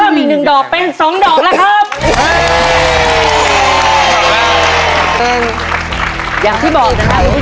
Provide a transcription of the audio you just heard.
ยังเหลือเวลาทำไส้กรอกล่วงได้เยอะเลยลูก